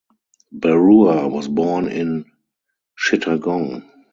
Barua was born in Chittagong.